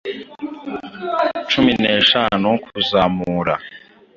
cumi n’eshanu kuzamura